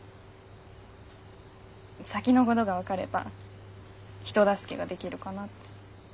先のごどが分かれば人助けができるかなって。